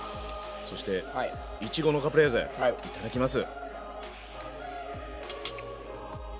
そしていちごのカプレーゼいただきます。